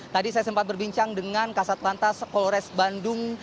tadi saya sempat berbincang dengan kasat lantas polres bandung